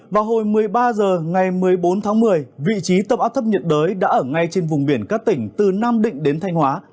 vào hồi một mươi ba h ngày một mươi bốn tháng một mươi vị trí tâm áp thấp nhiệt đới đã ở ngay trên vùng biển các tỉnh từ nam định đến thanh hóa